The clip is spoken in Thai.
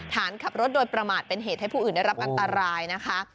ฐานขับรถโดยประมาทเป็นเหตุให้ผู้อื่นได้รับอันตรายนะคะ